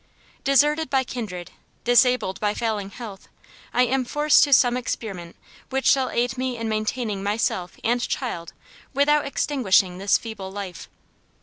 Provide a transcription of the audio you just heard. Deserted by kindred, disabled by failing health, I am forced to some experiment which shall aid me in maintaining myself and child without extinguishing this feeble life.